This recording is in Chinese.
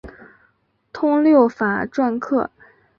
通六法篆刻。